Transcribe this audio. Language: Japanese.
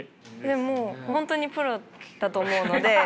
でも本当にプロだと思うので。